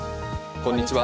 こんにちは。